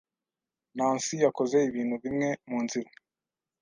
Nancy yakoze ibintu bimwe munzira.